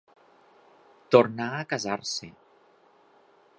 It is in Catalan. Tornà a casar-se.